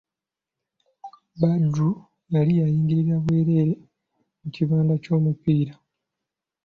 Badru yali ayingirira bwerere mu kibanda ky'omupiira.